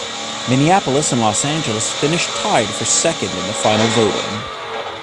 Minneapolis and Los Angeles finished tied for second in the final voting.